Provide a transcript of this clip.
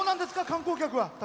観光客は。